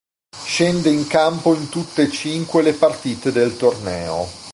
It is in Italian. Scende in campo in tutte e cinque le partite del torneo.